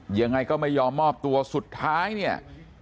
ยังไงก็ไม่ยอมมอบตัวสุดท้ายเนี่ย